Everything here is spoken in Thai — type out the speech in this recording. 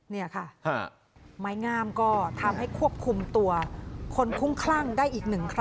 นี่ค่ะไม้งามก็ทำให้ควบคุมตัวคนคุ้มคลั่งได้อีกหนึ่งครั้ง